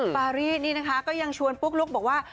ปารีสนี่นะคะก็ยังชวนปุ๊กลุ๊กบอกว่า